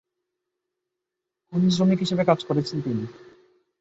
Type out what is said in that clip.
খনি শ্রমিক হিসেবে কাজ করেছেন তিনি।